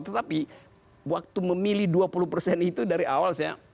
tetapi waktu memilih dua puluh persen itu dari awal saya